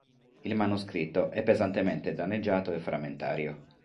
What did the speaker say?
Il manoscritto è pesantemente danneggiato e frammentario.